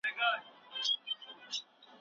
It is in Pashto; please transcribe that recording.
د کلتوري اړیکو په جوړولو کې تېز دي.